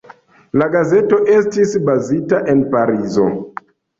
La gazeto estis bazita en Parizo.